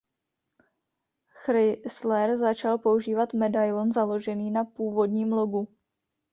Chrysler začal používat medailon založený na původním logu.